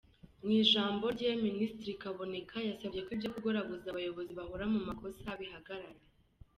Mu ijambo rye, Minisitiri Kaboneka yasabye ko ibyo kugoragoza abayobozi bahora mu makosa bihagarara.